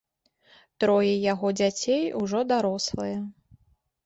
Трое яго дзяцей ужо дарослыя.